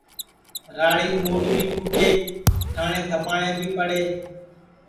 راڑیم مُڈؔ بھی پھُٹے تھاٹؔے تھپاٹؔے بھی پڑے